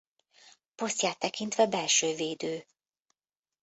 Posztját tekintve belső védő.